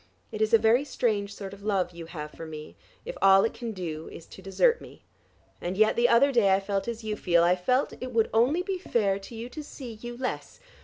It is a very strange sort of love you have for me, if all it can do is to desert me. And yet the other day I felt as you feel; I felt it would only be fair to you to see you less.